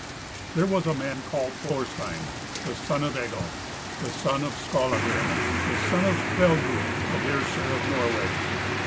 There was a man called Thorstein, the son of Egil, the son of Skallagrim, the son of Kveldulf the Hersir of Norway.